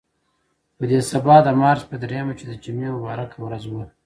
په دې سبا د مارچ په درېیمه چې د جمعې مبارکه ورځ وه.